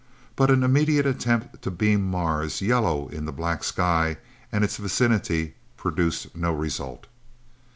But an immediate attempt to beam Mars yellow in the black sky and its vicinity, produced no result.